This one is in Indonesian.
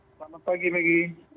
selamat pagi megi